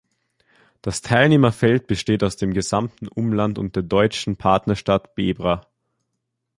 Das Teilnehmerfeld besteht aus dem gesamten Umland und der deutschen Partnerstadt Bebra.